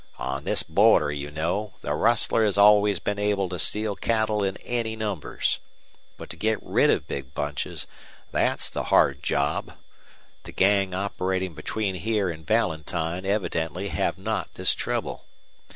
On this border, you know, the rustler has always been able to steal cattle in any numbers. But to get rid of big bunches that's the hard job. The gang operating between here and Valentine evidently have not this trouble.